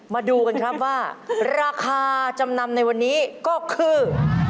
มาดูกันครับว่าราคาจำนำในวันนี้ก็คือ